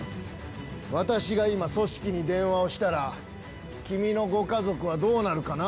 私が今組織に電話をしたら君のご家族はどうなるかな？